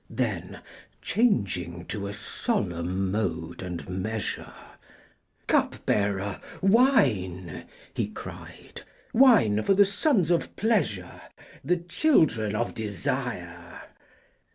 Then, changing to a solemn mode and measure, " Cupbearer, wine !" he cried, " Wine for the sons of pleasure, The children of desire